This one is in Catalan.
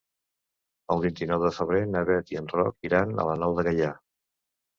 El vint-i-nou de febrer na Bet i en Roc iran a la Nou de Gaià.